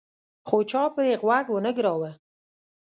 خو چا پرې غوږ ونه ګراوه.